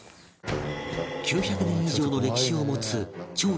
９００年以上の歴史を持つ長久寺